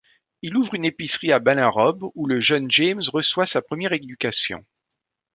Il ouvre une épicerie à Ballinrobe, où le jeune James reçoit sa première éducation.